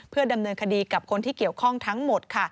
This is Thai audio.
ดำเนินคดีกับคนที่เกี่ยวข้องทั้งหมด